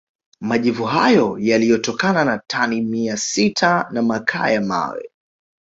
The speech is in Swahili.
Majivu hayo yaliyotokana na tani mia sita za makaa ya mawe